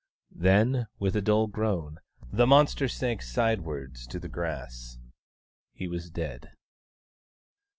Then, with a dull groan the monster sank sidewards to the grass. He was dead.